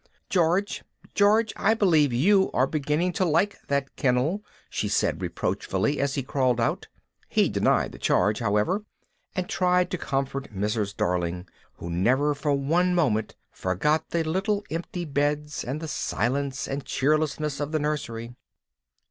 "George, George, I believe you are beginning to like that kennel," she said reproachfully, as he crawled out. He denied the charge, however, and tried to comfort Mrs. Darling, who never for one moment forgot the little empty beds and the silence and cheerlessness of the nursery.